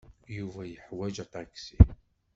Yuba yeḥwaj aṭaksi.